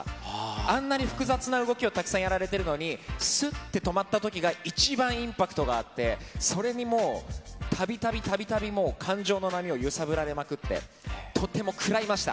あんなに複雑な動きをたくさんやられてるのに、すって止まったときが一番インパクトがあって、それにもう、たびたび、たびたびもう、感情の波を揺さぶられまくって、とても食らいました。